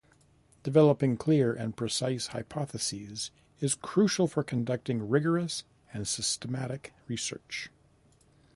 Developing clear and precise hypotheses is crucial for conducting rigorous and systematic research.